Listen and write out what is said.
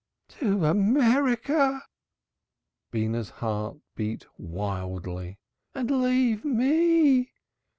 "To America!" Beenah's heartbeat wildly. "And leave me?"